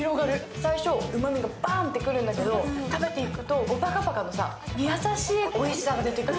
最初、うまみがバンって来るんだけど、食べていくとオパカパカの優しいうまみが出てくるの。